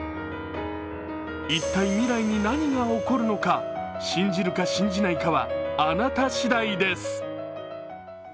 一体未来に何が起こるのか、信じるか、信じないかはあなた次第です。